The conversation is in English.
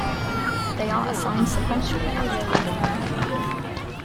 They are assigned sequentially at the time of need.